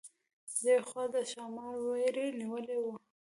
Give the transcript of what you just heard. د یوې خوا د ښامار وېرې نیولې وه.